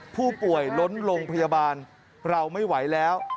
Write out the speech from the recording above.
ผู้ป่วยล้นโรงพยาบาลเราไม่ไหวแล้ว